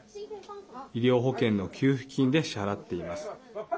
医療保険の給付金で支払っています。